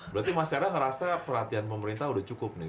berarti mas tera ngerasa perlatihan pemerintah udah cukup nih